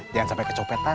jangan sampai kecopetan